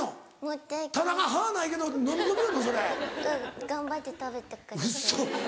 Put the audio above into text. うん頑張って食べてくれて。